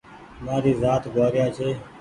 مآري زآت گوآريآ ڇي